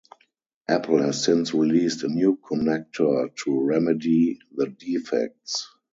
Apple has since released a new connector to remedy the defects.